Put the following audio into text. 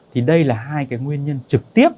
thì đây là hai cái nguyên nhân trực tiếp